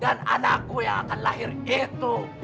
dan anakku yang akan lahir itu